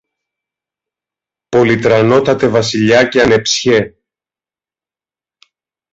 «Πολυτρανότατε Βασιλιά και ανεψιέ.